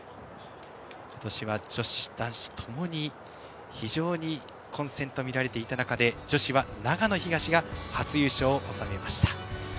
今年は女子、男子ともに非常に混戦と見られていた中女子は長野東が初優勝を収めました。